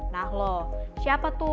nah loh siapa tuh